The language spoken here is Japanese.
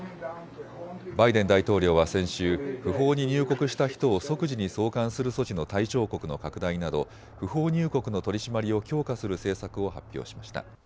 バイデン大統領は先週、不法に入国した人を即時に送還する措置の対象国の拡大など不法入国の取締りを強化する政策を発表しました。